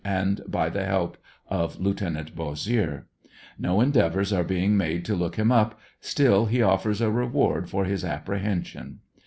and by the help of Lieut. Bossieux. No endeavors are being made to look him up, still he offers a reward for his apprehension.